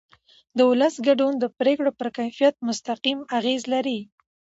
د ولس ګډون د پرېکړو پر کیفیت مستقیم اغېز لري